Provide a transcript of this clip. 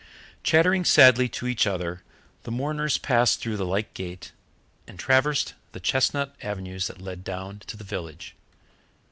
Chattering sadly to each other, the mourners passed through the lych gate and traversed the chestnut avenues that led down to the village.